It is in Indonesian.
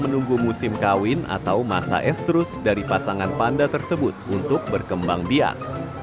menunggu musim kawin atau masa estrus dari pasangan panda tersebut untuk berkembang biak